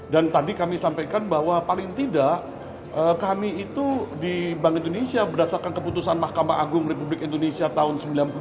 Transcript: dan tadi kami sampaikan bahwa paling tidak kami itu di bank indonesia berdasarkan keputusan mahkamah agung republik indonesia tahun seribu sembilan ratus sembilan puluh dua